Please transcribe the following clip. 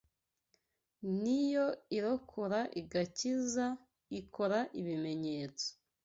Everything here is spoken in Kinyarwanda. Ni yo irokora igakiza , ikora ibimenyetso